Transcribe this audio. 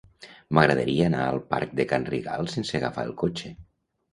M'agradaria anar al parc de Can Rigal sense agafar el cotxe.